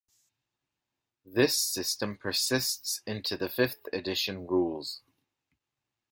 This system persists into the fifth edition rules.